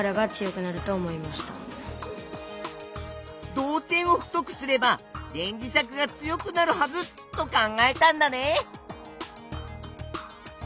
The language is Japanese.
導線を太くすれば電磁石が強くなるはずと考えたんだね。